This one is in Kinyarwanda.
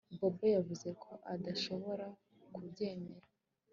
Bobo yavuze ko adashobora kubyemera